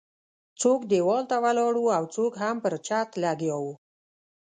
څوک ديوال ته ولاړ وو او څوک هم پر چت لګیا وو.